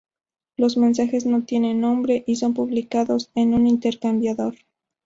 Los mensajes no tienen nombre y son publicados en un intercambiador.